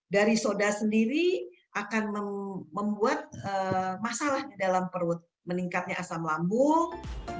dari soda sendiri akan membuat masalah di dalam perut meningkatnya asam lambung